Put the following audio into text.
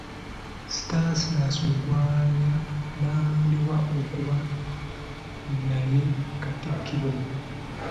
Stanislas Mugwanya n'alondebwa okuba naye Katikkiro.